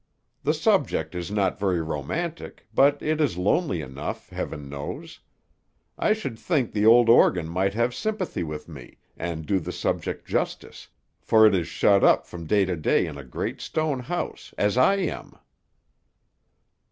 The subject is not very romantic, but it is lonely enough, Heaven knows. I should think the old organ might have sympathy with me, and do the subject justice, for it is shut up from day to day in a great stone house, as I am."